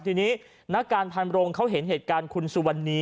ทีนี้นักการพันโรงเขาเห็นเหตุการณ์คุณสุวรรณี